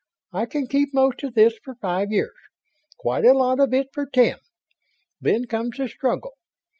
I can keep most of this for five years. Quite a lot of it for ten. Then comes the struggle.